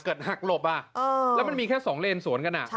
เกิดหักหลบอ่ะแล้วมันมีแค่สองเลนส์สวนกันอ่ะ